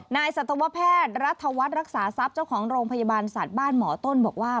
สัตวแพทย์รัฐวัฒน์รักษาทรัพย์เจ้าของโรงพยาบาลสัตว์บ้านหมอต้นบอกว่า